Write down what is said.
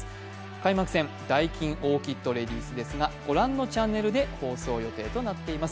開幕戦ダイキンオーキッドレディスですがご覧のチャンネルで放送予定となっています。